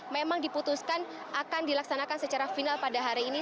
memang diputuskan akan dilaksanakan secara final pada hari ini